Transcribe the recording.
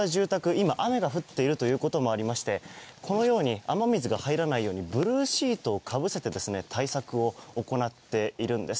今、雨が降っていることもありまして雨水が入らないようにブルーシートをかぶせて対策を行っているんです。